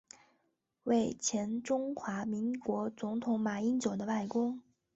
为前中华民国总统马英九的外公。